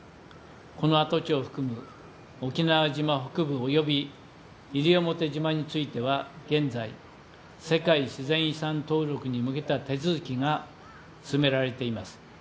この跡地を含む沖縄島北部および西表島については現在、世界自然遺産登録に向けた手続きが進められています。